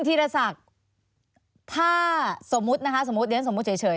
มีครับ